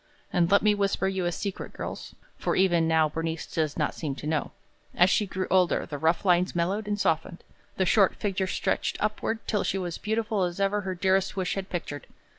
And let me whisper you a secret, girls, for even now Bernice does not seem to know, as she grew older, the rough lines mellowed and softened, the short figure stretched upward, till she was beautiful as ever her dearest wish had pictured.